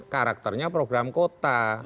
karakternya program kota